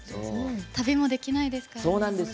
旅もできないですからね。